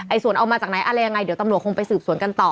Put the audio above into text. ส่วนเอามาจากไหนอะไรยังไงเดี๋ยวตำรวจคงไปสืบสวนกันต่อ